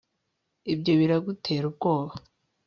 Ibyo biragutera ubwoba